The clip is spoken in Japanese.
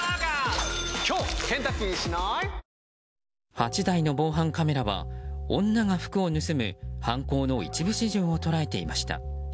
８台の防犯カメラは女が服を盗む犯行の一部始終を捉えていました。